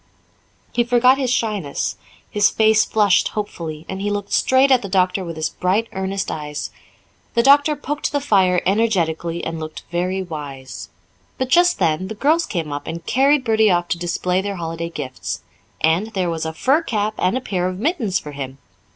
He forgot his shyness; his face flushed hopefully, and he looked straight at the doctor with his bright, earnest eyes. The doctor poked the fire energetically and looked very wise. But just then the girls came up and carried Bertie off to display their holiday gifts. And there was a fur cap and a pair of mittens for him!